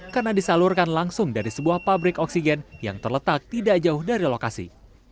karena disalurkan langsung dari sebuah pabrik oksigen yang terletak tidak jauh dari lokasi